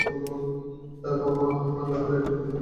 তার বাবা-মা লাহোরের একটি কবিতা পাঠ অনুষ্ঠানে মিলিত হয়েছিল।